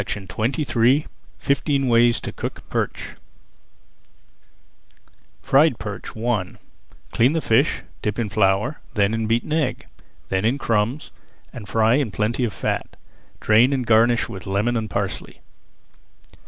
[Page 235] FIFTEEN WAYS TO COOK PERCH FRIED PERCH I Clean the fish, dip in flour, then in beaten egg, then in crumbs, and fry in plenty of fat. Drain and garnish with lemon and parsley.